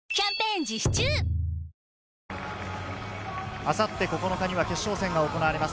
明後日９日には決勝戦が行われます。